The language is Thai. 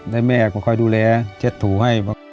ได้แม่ค่อยดูแลเช็ดถูให้